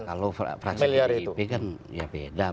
kalau fraksi dip kan ya beda pak